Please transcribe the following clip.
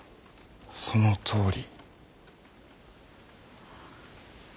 そのとおり。